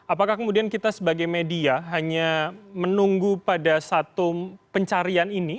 apakah kemudian kita sebagai media hanya menunggu pada satu pencarian ini